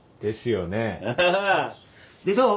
でどう？